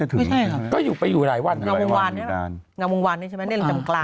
พี่ยุทธิ์อยู่เรือนจำพิเศษนี่หรือเปล่า